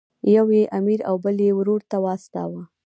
یو یې امیر او بل یې ورور ته واستاوه.